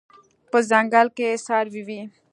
په ځنګل کې څاروي وي